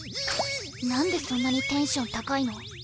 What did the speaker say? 何でそんなにテンション高いの？